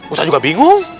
ustadz juga bingung